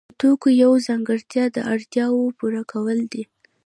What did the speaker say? د توکو یوه ځانګړتیا د اړتیاوو پوره کول دي.